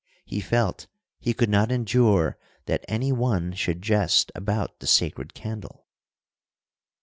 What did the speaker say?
He felt he could not endure that any one should jest about the sacred candle.